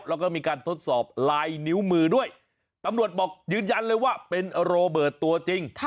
แล้วก็มีการทดสอบลายนิ้วมือด้วยตำรวจบอกยืนยันเลยว่าเป็นโรเบิร์ตตัวจริง